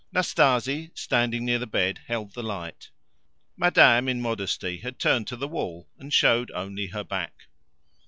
Natasie, standing near the bed, held the light. Madame in modesty had turned to the wall and showed only her back.